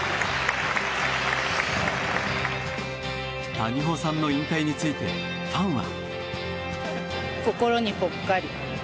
谷保さんの引退についてファンは。